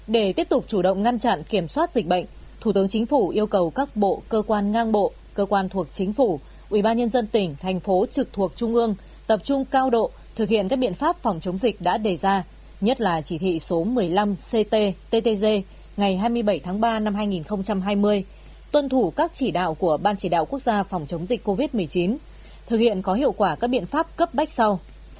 để tiếp tục chủ động ngăn chặn kiểm soát dịch bệnh thủ tướng chính phủ yêu cầu các bộ cơ quan ngang bộ cơ quan thuộc chính phủ ubnd tỉnh thành phố trực thuộc trung ương tập trung cao độ thực hiện các biện pháp phòng chống dịch đã đề ra nhất là chỉ thị số một mươi năm ctttg ngày hai mươi bảy tháng ba năm hai nghìn hai mươi tuân thủ các chỉ đạo của ban chỉ đạo quốc gia phòng chống dịch covid một mươi chín thực hiện có hiệu quả các biện pháp cấp bách sau